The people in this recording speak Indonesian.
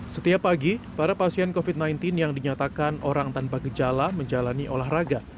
setiap pagi para pasien covid sembilan belas yang dinyatakan orang tanpa gejala menjalani olahraga